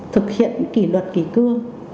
thực hiện kỷ luật kỷ cương